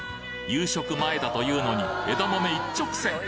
夕食前だというのに枝豆一直線！